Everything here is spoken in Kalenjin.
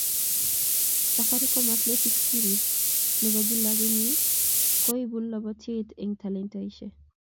Safaricom Athletics series ne bo kila kenyii koibuu lobeito eng talantaishe.